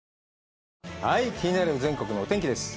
気になる全国のお天気です。